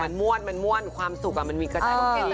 มันม่วนมันม่วนความสุขมันมีกระจายโอเค